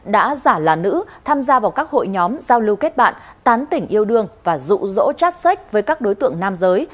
đã giả là nữ tham gia vào các hội nhóm giao lưu kết bạn tán tỉnh yêu đương và rụ rỗ chát sách với các đối tượng nam giới